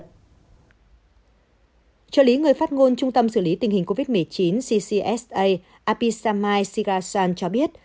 trợ lý người phát ngôn trung tâm xử lý tình hình covid một mươi chín ccsa apisamai sigasan cho biết